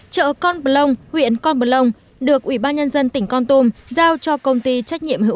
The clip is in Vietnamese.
chợ con plong huyện con plong được ủy ban nhân dân tỉnh con tum giao cho công ty trách nhiệm hữu